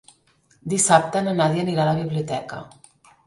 Dissabte na Nàdia anirà a la biblioteca.